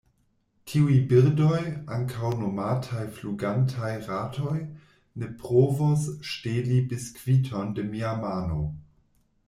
Tiuj birdoj, ankaŭ nomataj flugantaj ratoj, ne provos ŝteli biskviton de mia mano.